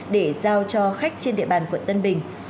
để giao cho khách trên địa bàn quận tân bình